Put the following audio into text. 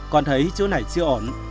con thấy chữ này chưa ổn